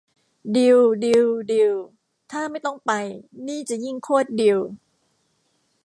ดีล ดีล ดีลถ้าไม่ต้องไป นี่จะยิ่งโคตรดีล